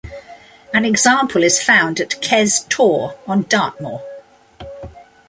An example is found at Kes Tor on Dartmoor.